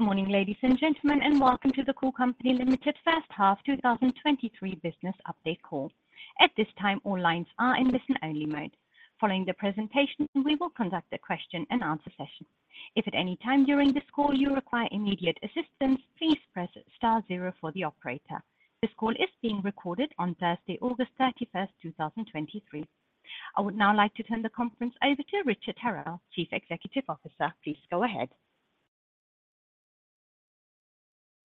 Good morning, ladies and gentlemen, and welcome to the Cool Company Ltd. First Half 2023 Business Update call. At this time, all lines are in listen-only mode. Following the presentation, we will conduct a question-and-answer session. If at any time during this call you require immediate assistance, please press star zero for the operator. This call is being recorded on Thursday, August 31, 2023. I would now like to turn the conference over to Richard Tyrrell, Chief Executive Officer. Please go ahead.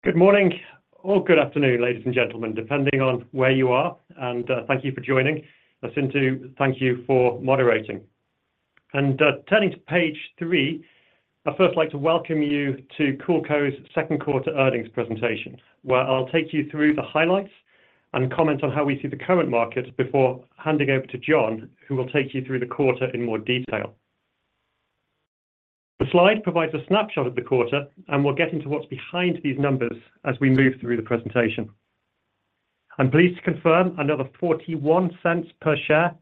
Good morning or good afternoon, ladies and gentlemen, depending on where you are, and thank you for joining. Now, Chintu, thank you for moderating. Turning to page three, I'd first like to welcome you to CoolCo's Q2 earnings presentation, where I'll take you through the highlights and comment on how we see the current market before handing over to John, who will take you through the quarter in more detail. The slide provides a snapshot of the quarter, and we'll get into what's behind these numbers as we move through the presentation. I'm pleased to confirm another $0.41 per share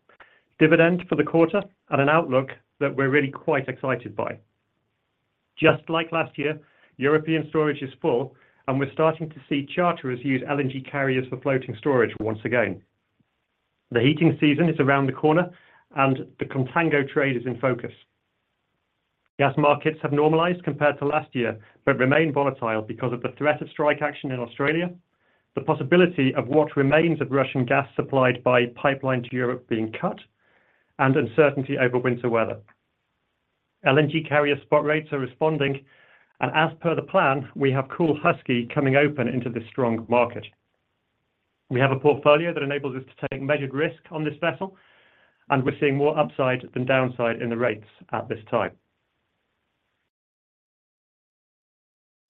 dividend for the quarter and an outlook that we're really quite excited by. Just like last year, European storage is full, and we're starting to see charterers use LNG carriers for floating storage once again. The heating season is around the corner, and the contango trade is in focus. Gas markets have normalized compared to last year, but remain volatile because of the threat of strike action in Australia, the possibility of what remains of Russian gas supplied by pipeline to Europe being cut, and uncertainty over winter weather. LNG carrier spot rates are responding, and as per the plan, we have Kool Husky coming open into this strong market. We have a portfolio that enables us to take measured risk on this vessel, and we're seeing more upside than downside in the rates at this time.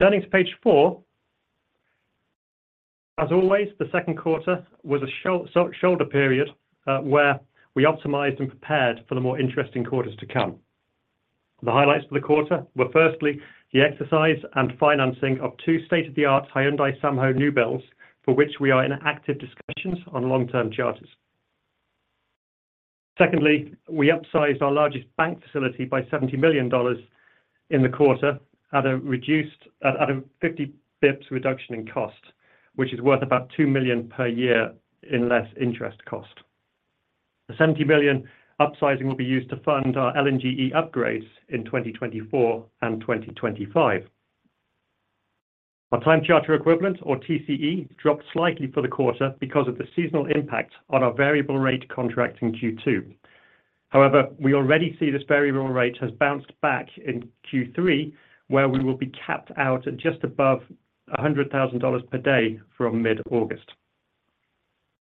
Turning to page four. As always, the Q2 was a shoulder period, where we optimized and prepared for the more interesting quarters to come. The highlights for the quarter were firstly, the exercise and financing of two state-of-the-art Hyundai Samho new builds, for which we are in active discussions on long-term charters. Secondly, we upsized our largest bank facility by $70 million in the quarter at a reduced, at a 50 bps reduction in cost, which is worth about $2 million per year in less interest cost. The $70 million upsizing will be used to fund our LNG upgrades in 2024 and 2025. Our time charter equivalent, or TCE, dropped slightly for the quarter because of the seasonal impact on our variable rate contract in Q2. However, we already see this variable rate has bounced back in Q3, where we will be capped out at just above $100,000 per day from mid-August.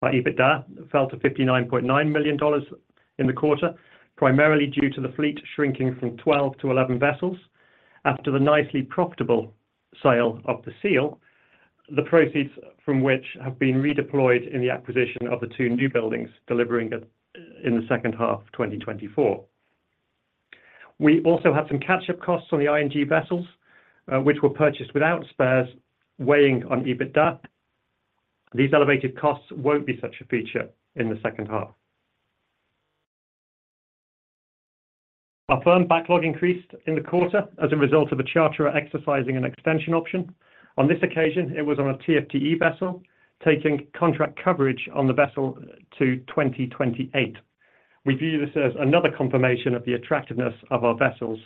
Our EBITDA fell to $59.9 million in the quarter, primarily due to the fleet shrinking from 12 to 11 vessels after the nicely profitable sale of the Seal, the proceeds from which have been redeployed in the acquisition of the two new buildings, delivering in the second half of 2024. We also had some catch-up costs on the LNG vessels, which were purchased without spares, weighing on EBITDA. These elevated costs won't be such a feature in the second half. Our firm backlog increased in the quarter as a result of a charterer exercising an extension option. On this occasion, it was on a TFDE vessel, taking contract coverage on the vessel to 2028. We view this as another confirmation of the attractiveness of our vessels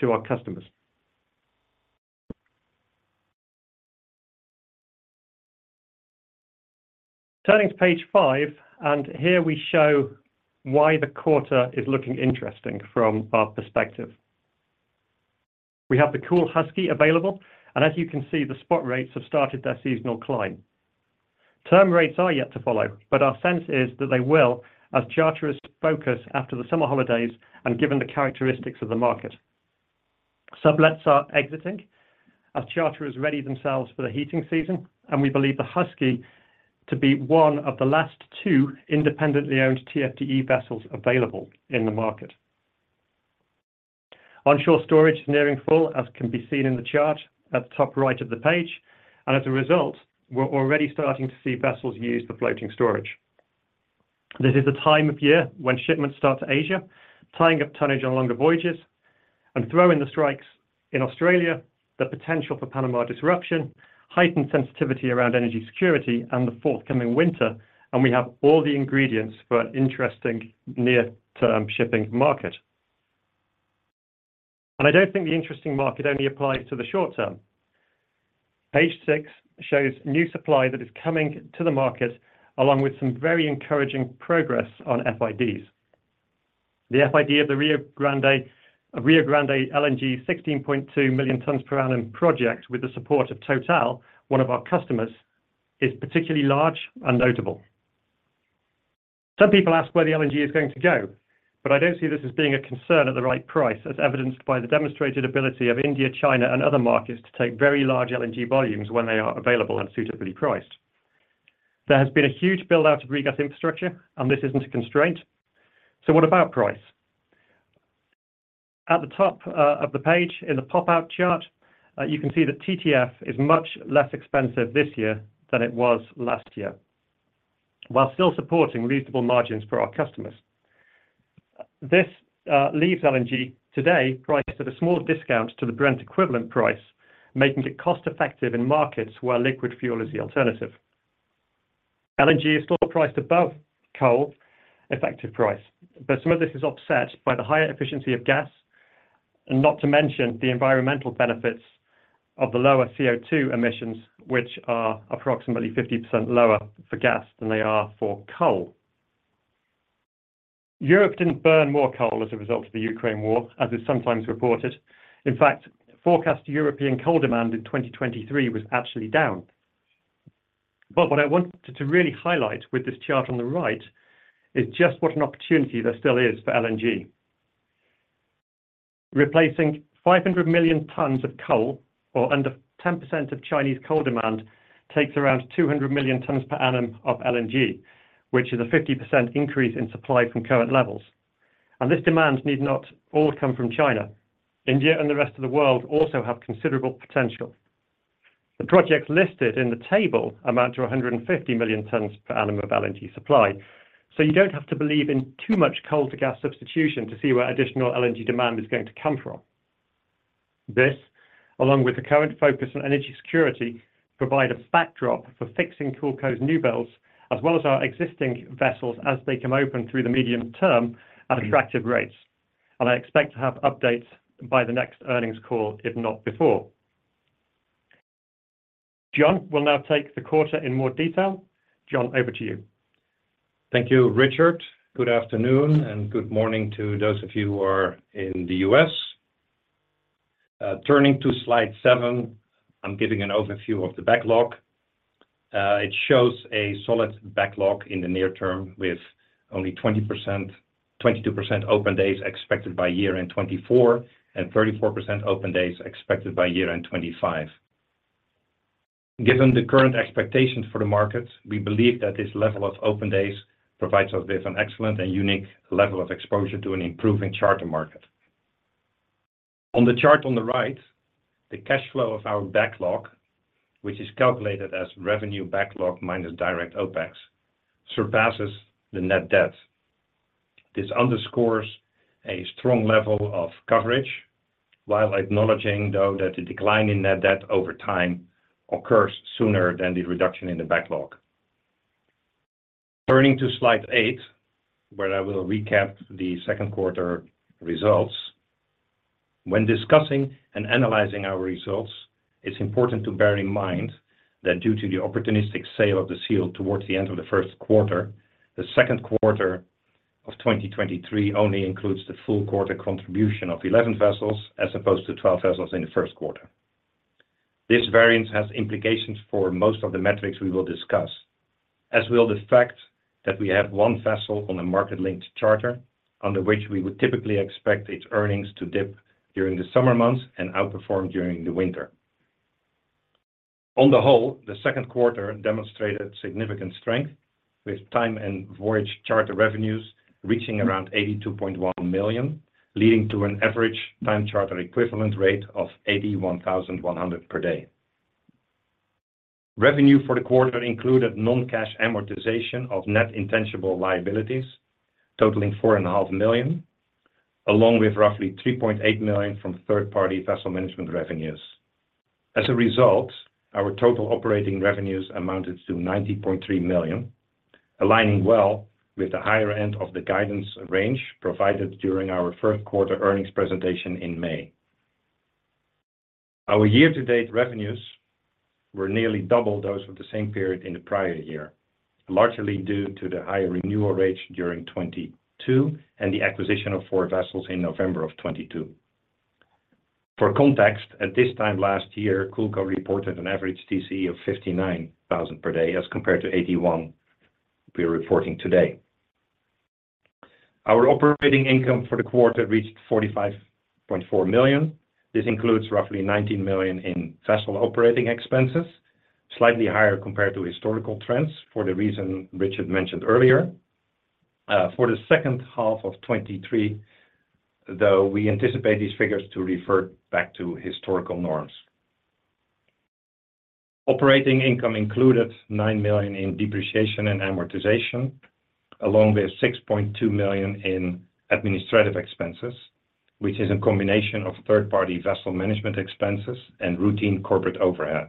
to our customers. Turning to page five, here we show why the quarter is looking interesting from our perspective. We have the Kool Husky available, and as you can see, the spot rates have started their seasonal climb. Term rates are yet to follow, but our sense is that they will as charterers focus after the summer holidays and given the characteristics of the market. Sublets are exiting as charterers ready themselves for the heating season, and we believe the Husky to be one of the last two independently owned TFDE vessels available in the market. Onshore storage is nearing full, as can be seen in the chart at the top right of the page, and as a result, we're already starting to see vessels use the floating storage. This is the time of year when shipments start to Asia, tying up tonnage on longer voyages and throw in the strikes in Australia, the potential for Panama disruption, heightened sensitivity around energy security, and the forthcoming winter, and we have all the ingredients for an interesting near-term shipping market. I don't think the interesting market only applies to the short term. Page six shows new supply that is coming to the market, along with some very encouraging progress on FIDs. The FID of the Rio Grande LNG 16.2 million tons per annum project with the support of Total, one of our customers, is particularly large and notable. Some people ask where the LNG is going to go, but I don't see this as being a concern at the right price, as evidenced by the demonstrated ability of India, China, and other markets to take very large LNG volumes when they are available and suitably priced. There has been a huge build-out of regas infrastructure, and this isn't a constraint. So what about price? At the top of the page in the pop-out chart, you can see that TTF is much less expensive this year than it was last year, while still supporting reasonable margins for our customers. This leaves LNG today priced at a small discount to the Brent equivalent price, making it cost-effective in markets where liquid fuel is the alternative. LNG is still priced above coal effective price, but some of this is offset by the higher efficiency of gas, and not to mention the environmental benefits of the lower CO₂ emissions, which are approximately 50% lower for gas than they are for coal. Europe didn't burn more coal as a result of the Ukraine war, as is sometimes reported. In fact, forecast European coal demand in 2023 was actually down. But what I want to really highlight with this chart on the right is just what an opportunity there still is for LNG. Replacing 500 million tons of coal, or under 10% of Chinese coal demand, takes around 200 million tons per annum of LNG, which is a 50% increase in supply from current levels. And this demand need not all come from China. India and the rest of the world also have considerable potential. The projects listed in the table amount to 150 million tons per annum of LNG supply. So you don't have to believe in too much coal to gas substitution to see where additional LNG demand is going to come from. This, along with the current focus on energy security, provide a backdrop for fixing CoolCo's new builds, as well as our existing vessels as they come open through the medium term at attractive rates. And I expect to have updates by the next earnings call, if not before. John will now take the quarter in more detail. John, over to you. Thank you, Richard. Good afternoon, and good morning to those of you who are in the US. Turning to slide seven, I'm giving an overview of the backlog. It shows a solid backlog in the near term, with only 22% open days expected by year-end 2024, and 34% open days expected by year-end 2025. Given the current expectations for the market, we believe that this level of open days provides us with an excellent and unique level of exposure to an improving charter market. On the chart on the right, the cash flow of our backlog, which is calculated as revenue backlog minus direct OpEx, surpasses the net debt. This underscores a strong level of coverage, while acknowledging, though, that the decline in net debt over time occurs sooner than the reduction in the backlog. Turning to slide eight, where I will recap the Q2 results. When discussing and analyzing our results, it's important to bear in mind that due to the opportunistic sale of the vessel towards the end of Q1, the Q2 of 2023 only includes the full quarter contribution of 11 vessels, as opposed to 12 vessels in the Q1. This variance has implications for most of the metrics we will discuss, as will the fact that we have one vessel on a market-linked charter, under which we would typically expect its earnings to dip during the summer months and outperform during the winter. On the whole, the Q2 demonstrated significant strength, with time and voyage charter revenues reaching around $82.1 million, leading to an average time charter equivalent rate of $81,100 per day. Revenue for the quarter included non-cash amortization of net intangible liabilities, totaling $4.5 million, along with roughly $3.8 million from third-party vessel management revenues. As a result, our total operating revenues amounted to $90.3 million, aligning well with the higher end of the guidance range provided during our Q1 earnings presentation in May. Our year-to-date revenues were nearly double those of the same period in the prior year, largely due to the higher renewal rate during 2022, and the acquisition of four vessels in November of 2022. For context, at this time last year, CoolCo reported an average TCE of $59,000 per day, as compared to $81,000 we are reporting today. Our operating income for the quarter reached $45.4 million. This includes roughly $19 million in vessel operating expenses, slightly higher compared to historical trends, for the reason Richard mentioned earlier. For the second half of 2023, though, we anticipate these figures to revert back to historical norms. Operating income included $9 million in depreciation and amortization, along with $6.2 million in administrative expenses, which is a combination of third-party vessel management expenses and routine corporate overhead.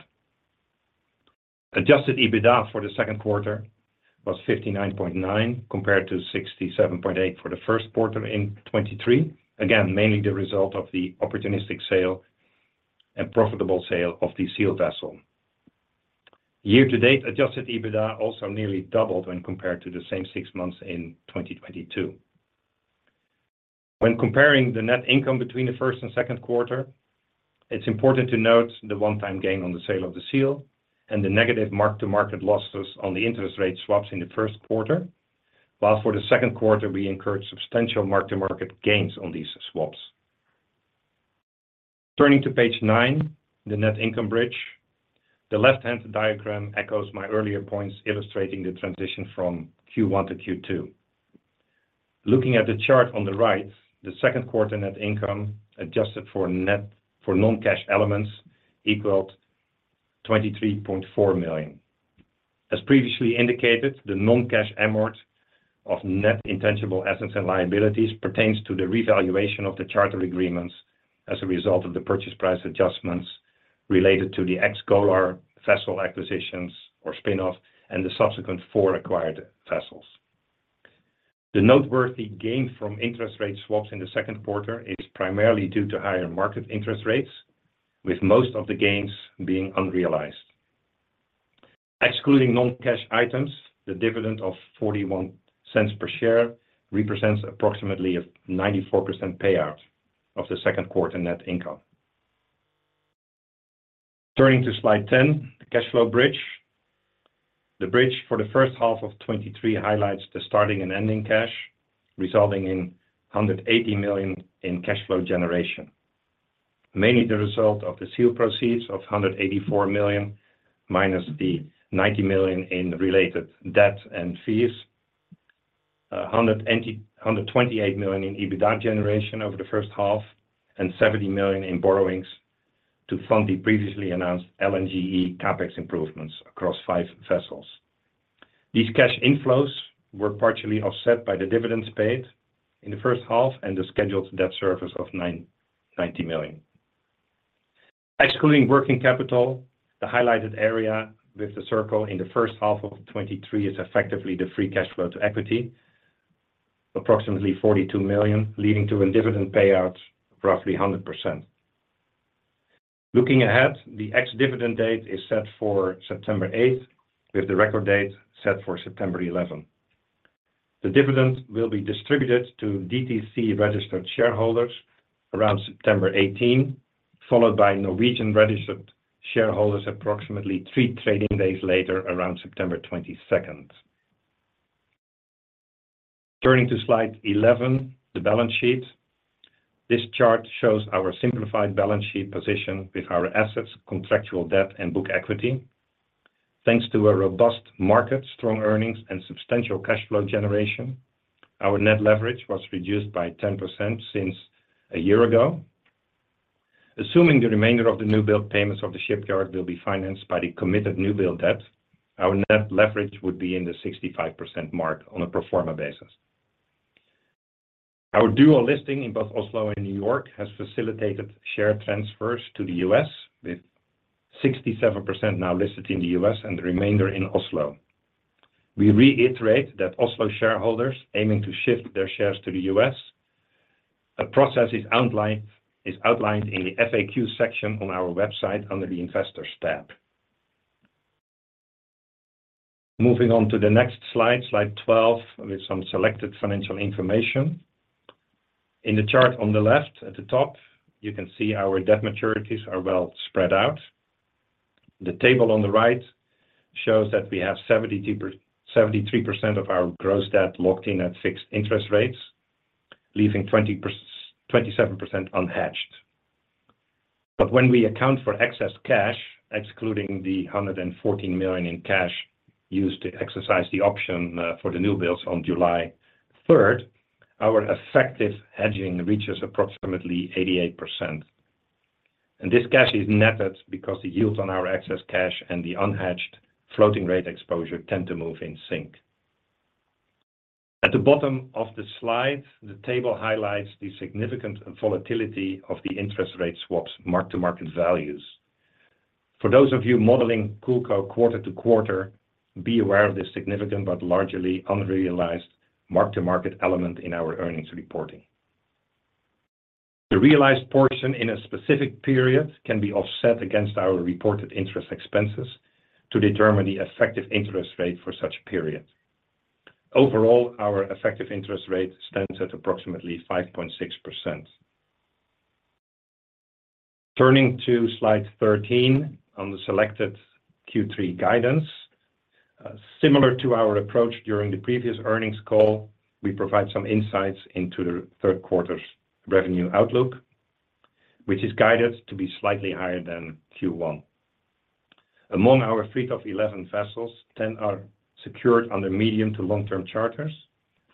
Adjusted EBITDA for the Q2 was $59.9 million, compared to $67.8 million for the Q1 in 2023. Again, mainly the result of the opportunistic sale and profitable sale of the Seal vessel. Year-to-date, adjusted EBITDA also nearly doubled when compared to the same six months in 2022. When comparing the net income between the first and Q2, it's important to note the one-time gain on the sale of the vessel and the negative mark-to-market losses on the interest rate swaps in the Q1. While for the Q2, we incurred substantial mark-to-market gains on these swaps. Turning to page nine, the net income bridge. The left-hand diagram echoes my earlier points, illustrating the transition from Q1 to Q2. Looking at the chart on the right, the Q2 net income, adjusted for non-cash elements, equaled $23.4 million. As previously indicated, the non-cash amortization of net intangible assets and liabilities pertains to the revaluation of the charter agreements as a result of the purchase price adjustments related to the ex-Golar vessel acquisitions or spin-off, and the subsequent four acquired vessels. The noteworthy gain from interest rate swaps in the Q2 is primarily due to higher market interest rates, with most of the gains being unrealized. Excluding non-cash items, the dividend of $0.41 per share represents approximately a 94% payout of the Q2 net income. Turning to slide 10, the cash flow bridge. The bridge for the first half of 2023 highlights the starting and ending cash, resulting in $180 million in cash flow generation. Mainly the result of the sale proceeds of $184 million, minus the $90 million in related debt and fees. $128 million in EBITDA generation over the first half, and $70 million in borrowings to fund the previously announced LNGe CapEx improvements across five vessels. These cash inflows were partially offset by the dividends paid in the first half and the scheduled debt service of $990 million. Excluding working capital, the highlighted area with the circle in the first half of 2023 is effectively the free cash flow to equity, approximately $42 million, leading to a dividend payout of roughly 100%. Looking ahead, the ex-dividend date is set for September eighth, with the record date set for September eleventh. The dividend will be distributed to DTC-registered shareholders around September eighteen, followed by Norwegian-registered shareholders approximately three trading days later, around September twenty-second. Turning to slide 11, the balance sheet. This chart shows our simplified balance sheet position with our assets, contractual debt, and book equity. Thanks to a robust market, strong earnings, and substantial cash flow generation, our net leverage was reduced by 10% since a year ago. Assuming the remainder of the new build payments of the shipyard will be financed by the committed new build debt, our net leverage would be in the 65% mark on a pro forma basis. Our dual listing in both Oslo and New York has facilitated share transfers to the US, with 67% now listed in the US and the remainder in Oslo. We reiterate that Oslo shareholders aiming to shift their shares to the US, the process is outlined in the FAQ section on our website under the Investors tab. Moving on to the next slide, slide 12, with some selected financial information. In the chart on the left, at the top, you can see our debt maturities are well spread out. The table on the right shows that we have 72% - 73% of our gross debt locked in at fixed interest rates, leaving 20% - 27% unhedged. But when we account for excess cash, excluding the $114 million in cash used to exercise the option for the new builds on July 3, our effective hedging reaches approximately 88%. And this cash is netted because the yields on our excess cash and the unhedged floating rate exposure tend to move in sync. At the bottom of the slide, the table highlights the significant volatility of the interest rate swaps mark-to-market values. For those of you modeling CoolCo quarter-to-quarter, be aware of this significant but largely unrealized mark-to-market element in our earnings reporting. The realized portion in a specific period can be offset against our reported interest expenses to determine the effective interest rate for such periods. Overall, our effective interest rate stands at approximately 5.6%. Turning to slide 13 on the selected Q3 guidance. Similar to our approach during the previous earnings call, we provide some insights into the Q3 revenue outlook, which is guided to be slightly higher than Q1. Among our fleet of 11 vessels, 10 are secured under medium to long-term charters.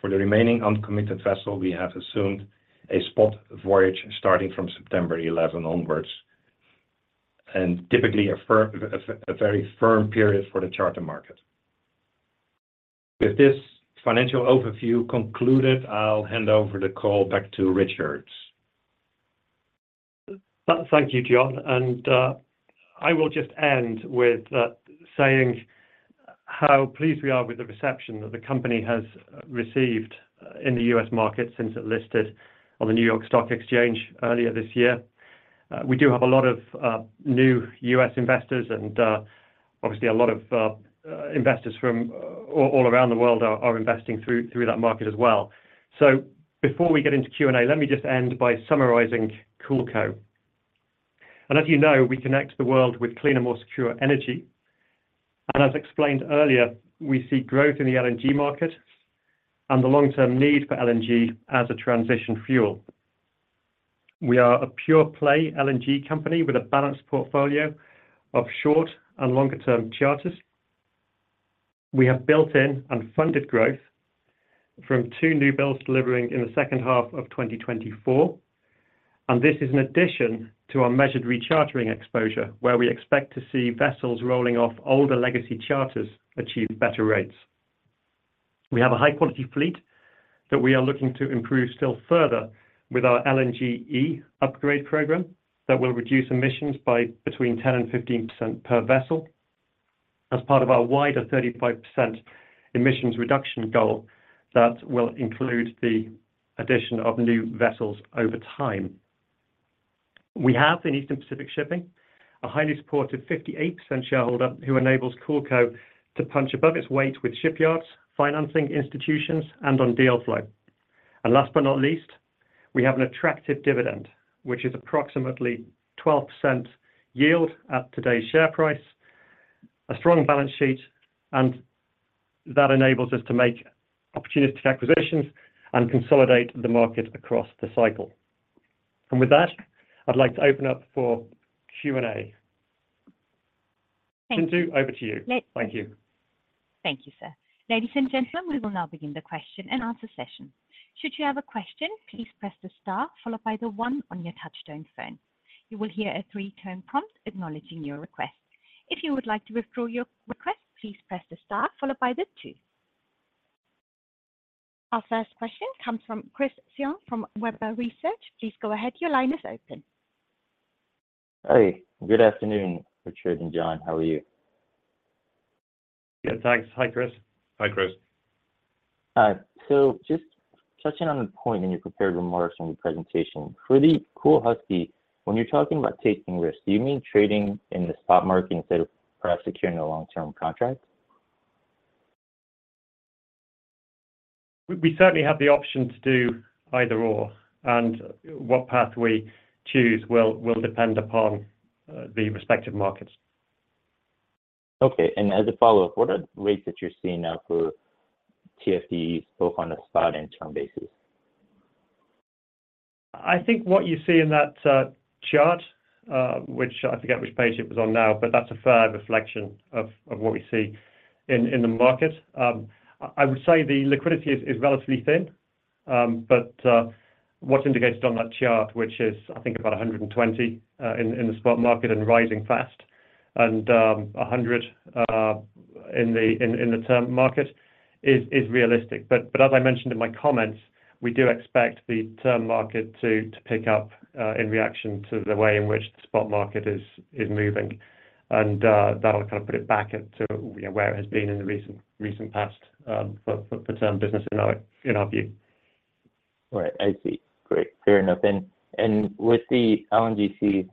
For the remaining uncommitted vessel, we have assumed a spot voyage starting from September 11 onwards, and typically a very firm period for the charter market. With this financial overview concluded, I'll hand over the call back to Richard. Thank you, John. I will just end with saying how pleased we are with the reception that the company has received in the U.S. market since it listed on the New York Stock Exchange earlier this year. We do have a lot of new U.S. investors, and obviously, a lot of investors from all around the world are investing through that market as well. So before we get into Q&A, let me just end by summarizing CoolCo. And as you know, we connect the world with cleaner, more secure energy. And as explained earlier, we see growth in the LNG market and the long-term need for LNG as a transition fuel. We are a pure-play LNG company with a balanced portfolio of short and longer-term charters. We have built in and funded growth. from two new builds delivering in the second half of 2024, and this is in addition to our measured rechartering exposure, where we expect to see vessels rolling off older legacy charters achieve better rates. We have a high-quality fleet that we are looking to improve still further with our LNGe upgrade program that will reduce emissions by between 10% and 15% per vessel, as part of our wider 35% emissions reduction goal that will include the addition of new vessels over time. We have in Eastern Pacific Shipping, a highly supported 58% shareholder who enables CoolCo to punch above its weight with shipyards, financing institutions, and on deal flow. Last but not least, we have an attractive dividend, which is approximately 12% yield at today's share price, a strong balance sheet, and that enables us to make opportunistic acquisitions and consolidate the market across the cycle. And with that, I'd like to open up for Q&A. Chintu, over to you. Let- Thank you. Thank you, sir. Ladies and gentlemen, we will now begin the question and answer session. Should you have a question, please press the star followed by the one on your touchtone phone. You will hear a three-tone prompt acknowledging your request. If you would like to withdraw your request, please press the star followed by the two. Our first question comes from Chris Tsung from Webber Research. Please go ahead. Your line is open. Hey, good afternoon, Richard and John. How are you? Good, thanks. Hi, Chris. Hi, Chris. So just touching on the point in your prepared remarks from your presentation, for the Kool Husky, when you're talking about taking risks, do you mean trading in the spot market instead of perhaps securing a long-term contract? We certainly have the option to do either/or, and what path we choose will depend upon the respective markets. Okay, and as a follow-up, what are the rates that you're seeing now for TFDEs, both on a spot and term basis? I think what you see in that chart, which I forget which page it was on now, but that's a fair reflection of what we see in the market. I would say the liquidity is relatively thin, but what's indicated on that chart, which is, I think about 120 in the spot market and rising fast and a 100 in the term market is realistic. But as I mentioned in my comments, we do expect the term market to pick up in reaction to the way in which the spot market is moving. And that will kind of put it back into, you know, where it has been in the recent past for term business in our view. Right. I see. Great. Fair enough. And with the LNGC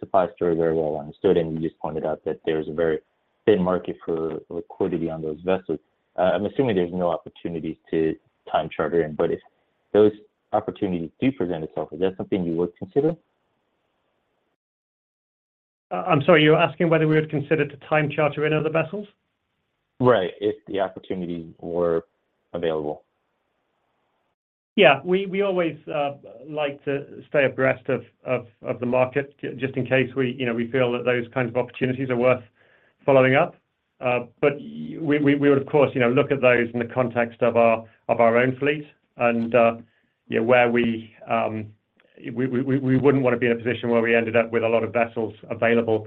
supply story very well understood, and you just pointed out that there is a very thin market for liquidity on those vessels, I'm assuming there's no opportunities to time charter in. But if those opportunities do present itself, is that something you would consider? I'm sorry, you're asking whether we would consider to time charter any of the vessels? Right. If the opportunity were available. Yeah, we always like to stay abreast of the market just in case we, you know, we feel that those kinds of opportunities are worth following up. But we would, of course, you know, look at those in the context of our own fleet and, yeah, where we, we wouldn't want to be in a position where we ended up with a lot of vessels available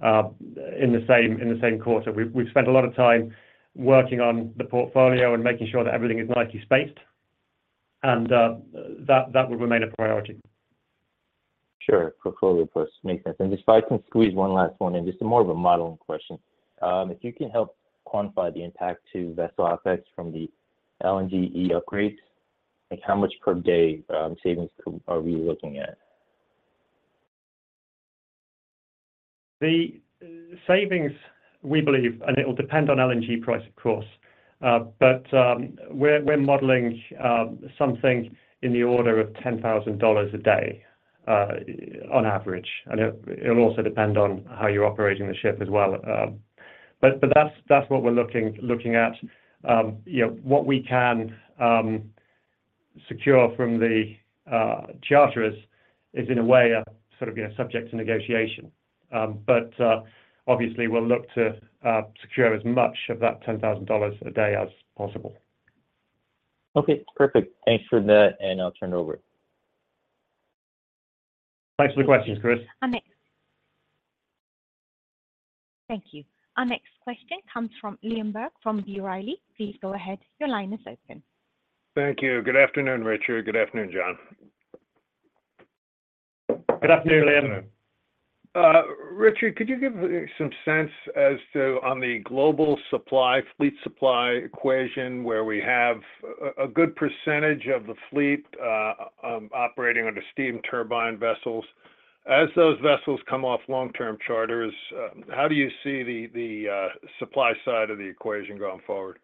in the same quarter. We've spent a lot of time working on the portfolio and making sure that everything is nicely spaced, and that would remain a priority. Sure. Portfolio first. Makes sense. And if I can squeeze one last one, and this is more of a modeling question. If you can help quantify the impact to vessel effects from the LNGe upgrades, like how much per day, savings are we looking at? The savings, we believe, and it will depend on LNG price, of course, but we're modeling something in the order of $10,000 a day, on average, and it'll also depend on how you're operating the ship as well. But that's what we're looking at. You know, what we can secure from the charterers is in a way a sort of, you know, subject to negotiation. But obviously, we'll look to secure as much of that $10,000 a day as possible. Okay, perfect. Thanks for that, and I'll turn it over. Thanks for the questions, Chris. Thank you. Our next question comes from Liam Burke from B. Riley. Please go ahead. Your line is open. Thank you. Good afternoon, Richard. Good afternoon, John. Good afternoon, Liam. Good afternoon. Richard, could you give some sense as to on the global supply, fleet supply equation, where we have a good percentage of the fleet operating under steam turbine vessels. As those vessels come off long-term charters, how do you see the supply side of the equation going forward?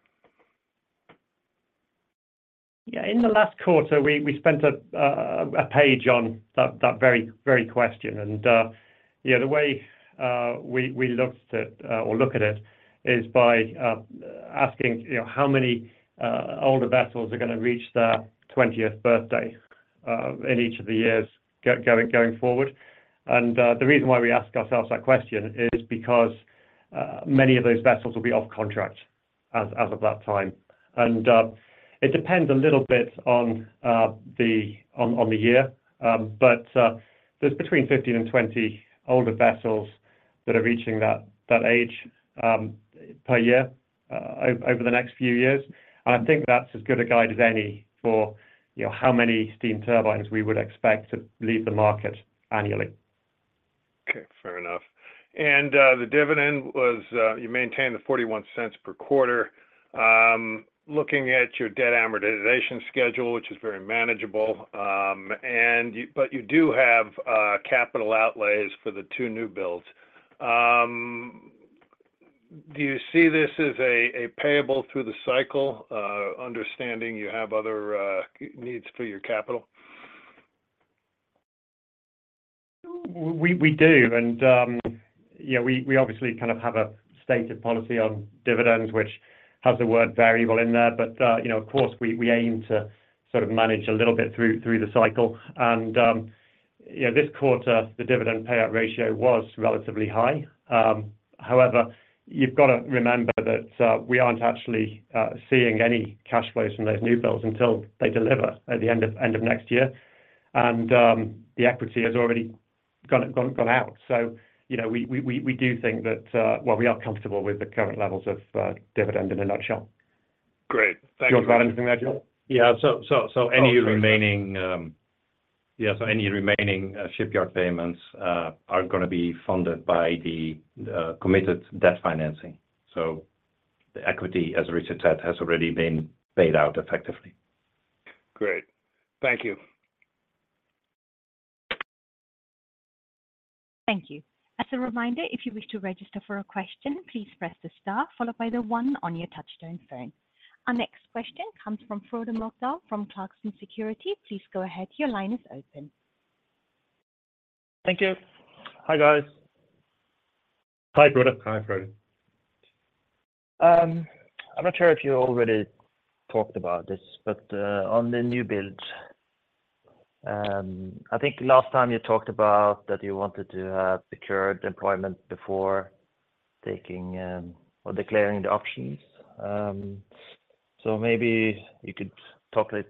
Yeah, in the last quarter, we spent a page on that very question, and yeah, the way we looked at or look at it is by asking, you know, how many older vessels are gonna reach their twentieth birthday? In each of the years going forward. And the reason why we ask ourselves that question is because many of those vessels will be off contract as of that time. And it depends a little bit on the year. But there's between 15 and 20 older vessels that are reaching that age per year over the next few years. I think that's as good a guide as any for, you know, how many steam turbines we would expect to leave the market annually. Okay, fair enough. And the dividend was, you maintained the $0.41 per quarter. Looking at your debt amortization schedule, which is very manageable, and you, but you do have capital outlays for the two new builds. Do you see this as a payable through the cycle, understanding you have other needs for your capital? We do, and yeah, we obviously kind of have a stated policy on dividends, which has the word variable in there. But you know, of course, we aim to sort of manage a little bit through the cycle. And you know, this quarter, the dividend payout ratio was relatively high. However, you've got to remember that we aren't actually seeing any cash flows from those new builds until they deliver at the end of next year. And the equity has already gone out. So you know, we do think that well, we are comfortable with the current levels of dividend in a nutshell. Great. Thank you- Do you want to add anything there, John? Yeah. So any- Okay -remaining, yeah, so any remaining shipyard payments are gonna be funded by the committed debt financing. So the equity, as Richard said, has already been paid out effectively. Great. Thank you. Thank you. As a reminder, if you wish to register for a question, please press the star followed by the one on your touchtone phone. Our next question comes from Frode Mørkedal from Clarksons Securities. Please go ahead. Your line is open. Thank you. Hi, guys. Hi, Frode. Hi, Frode. I'm not sure if you already talked about this, but on the new build, I think last time you talked about that you wanted to have secured employment before taking or declaring the options. So maybe you could talk a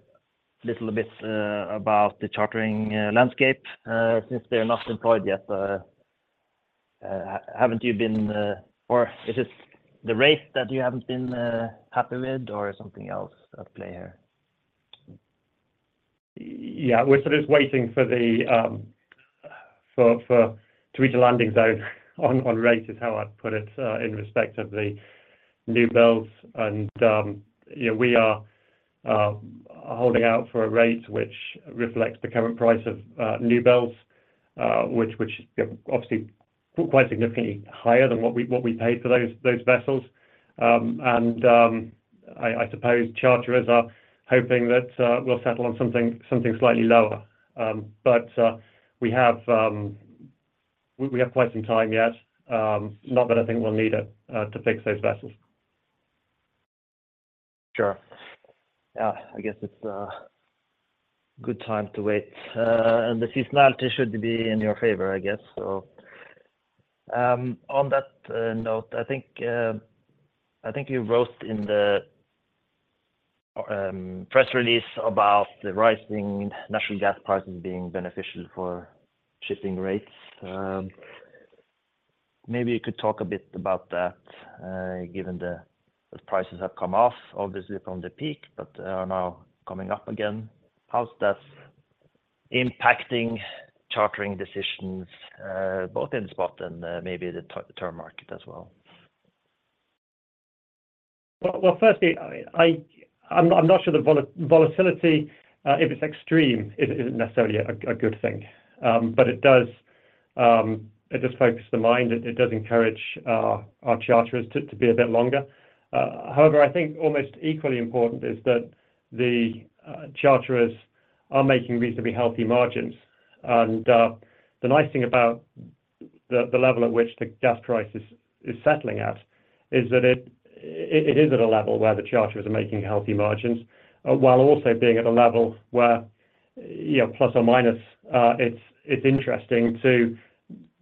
little bit about the chartering landscape since they're not employed yet. Haven't you been or is it the rate that you haven't been happy with or something else at play here? Yeah, we're sort of waiting for the to reach a landing zone on rates, is how I'd put it, in respect of the new builds. And, you know, we are holding out for a rate which reflects the current price of new builds, which, you know, obviously quite significantly higher than what we paid for those vessels. And, I suppose charterers are hoping that we'll settle on something slightly lower. But, we have quite some time yet, not that I think we'll need it, to fix those vessels. Sure. Yeah, I guess it's a good time to wait. And the seasonality should be in your favor, I guess so. On that note, I think you wrote in the press release about the rising natural gas prices being beneficial for shipping rates. Maybe you could talk a bit about that, given the prices have come off, obviously, from the peak, but now coming up again. How's that impacting chartering decisions, both in the spot and maybe the term market as well? Well, firstly, I'm not sure the volatility if it's extreme, it isn't necessarily a good thing. But it does focus the mind, it does encourage our charterers to be a bit longer. However, I think almost equally important is that the charterers are making reasonably healthy margins. And the nice thing about the level at which the gas price is settling at is that it is at a level where the charterers are making healthy margins while also being at a level where, you know, plus or minus, it's interesting to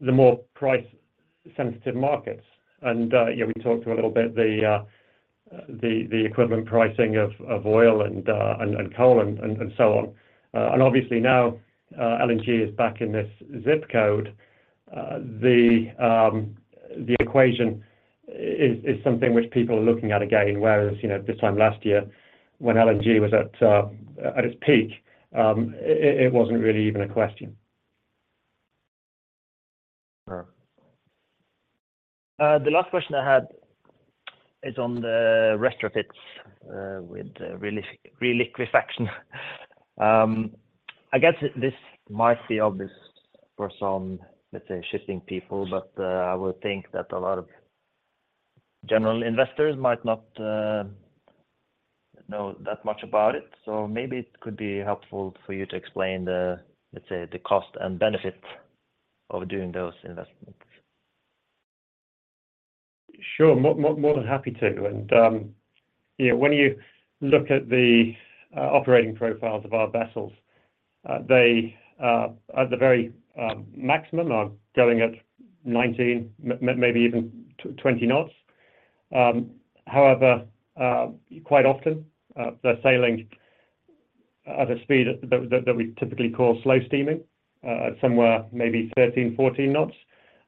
the more price-sensitive markets. And yeah, we talked a little bit the equivalent pricing of oil and coal and so on. Obviously now, LNG is back in this ZIP code. The equation is something which people are looking at again, whereas, you know, this time last year, when LNG was at its peak, it wasn't really even a question. Sure. The last question I had is on the retrofits, with the reliquefaction. I guess this might be obvious for some, let's say, shipping people, but I would think that a lot of general investors might not know that much about it. So maybe it could be helpful for you to explain the, let's say, the cost and benefit of doing those investments. Sure, more than happy to. And, yeah, when you look at the operating profiles of our vessels, they at the very maximum are going at 19, maybe even 20 knots. However, quite often, they're sailing at a speed that we typically call slow steaming, at somewhere maybe 13, 14 knots.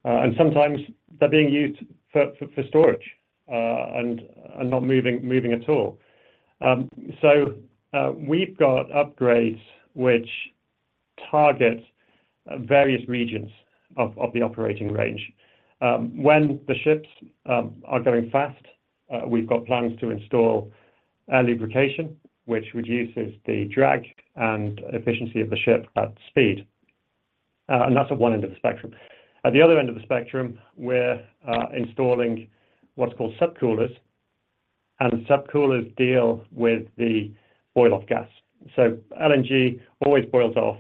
And sometimes they're being used for storage, and not moving at all. So, we've got upgrades which target various regions of the operating range. When the ships are going fast, we've got plans to install air lubrication, which reduces the drag and efficiency of the ship at speed. And that's at one end of the spectrum. At the other end of the spectrum, we're installing what's called subcoolers, and subcoolers deal with the boil-off gas. So LNG always boils off.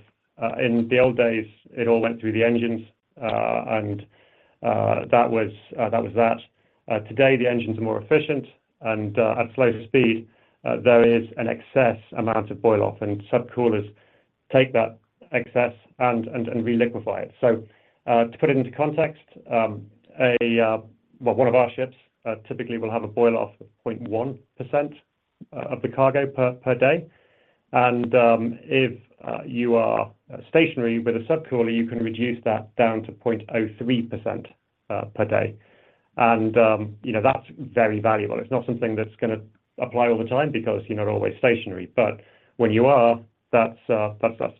In the old days, it all went through the engines, and that was that. Today, the engines are more efficient, and at slower speed, there is an excess amount of boil off, and subcoolers take that excess and reliquefy it. So, to put it into context, well, one of our ships typically will have a boil-off of 0.1% of the cargo per day. And, if you are stationary with a subcooler, you can reduce that down to 0.03% per day. And, you know, that's very valuable. It's not something that's gonna apply all the time because you're not always stationary, but when you are, that's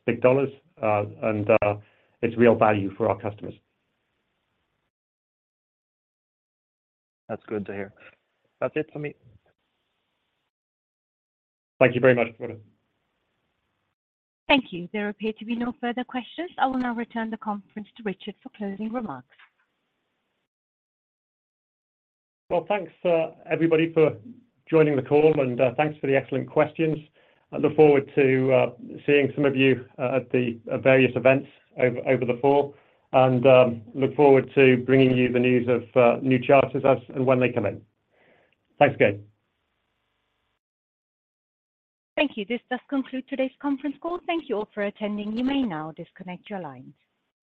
big dollars, and it's real value for our customers. That's good to hear. That's it for me. Thank you very much for it. Thank you. There appear to be no further questions. I will now return the conference to Richard for closing remarks. Well, thanks, everybody for joining the call, and, thanks for the excellent questions. I look forward to seeing some of you at the various events over the fall, and look forward to bringing you the news of new charters as and when they come in. Thanks again. Thank you. This does conclude today's conference call. Thank you all for attending. You may now disconnect your lines.